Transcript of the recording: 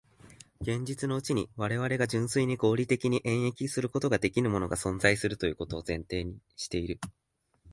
現実のうちに我々が純粋に合理的に演繹することのできぬものが存在するということを前提している。